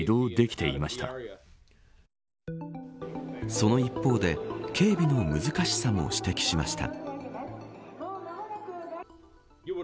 その一方で警備の難しさも指摘しました。